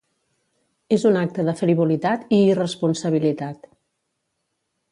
És un acte de frivolitat i irresponsabilitat.